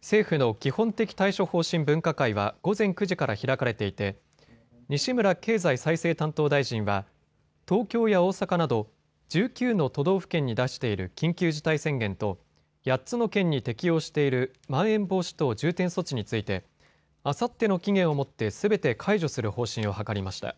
政府の基本的対処方針分科会は午前９時から開かれていて西村経済再生担当大臣は東京や大阪など１９の都道府県に出している緊急事態宣言と８つの県に適用しているまん延防止等重点措置についてあさっての期限をもってすべて解除する方針を諮りました。